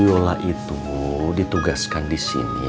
yola itu ditugaskan di sini